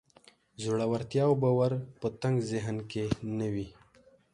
زړورتيا او باور په تنګ ذهن کې نه وي.